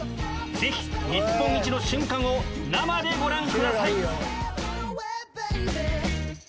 ぜひ日本一の瞬間を生でご覧ください！